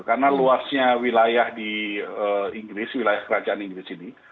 karena luasnya wilayah di inggris wilayah kerajaan inggris ini